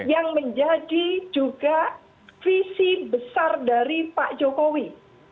yang menjadi juga visi besar dari pak jokowi